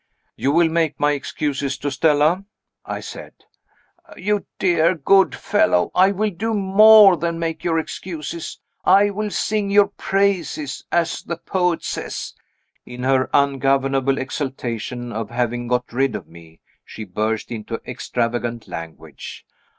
"You will make my excuses to Stella?" I said. "You dear, good fellow, I will do more than make your excuses; I will sing your praises as the poet says." In her ungovernable exultation at having got rid of me, she burst into extravagant language.